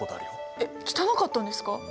えっ汚かったんですか？